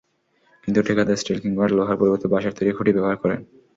কিন্তু ঠিকাদার স্টিল কিংবা লোহার পরিবর্তে বাঁশের তৈরি খুঁটি ব্যবহার করেন।